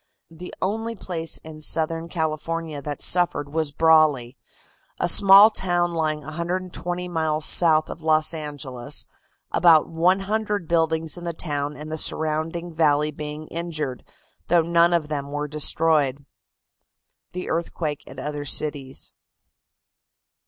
The only place in Southern California that suffered was Brawley, a small town lying 120 miles south of Los Angeles, about 100 buildings in the town and the surrounding valley being injured, though none of them were destroyed. THE EARTHQUAKE AT OTHER CITIES.